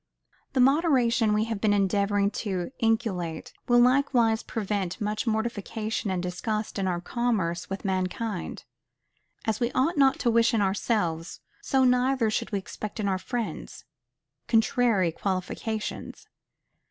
The moderation we have been endeavoring to inculcate will likewise prevent much mortification and disgust in our commerce with mankind. As we ought not to wish in ourselves, so neither should we expect in our friends, contrary qualifications.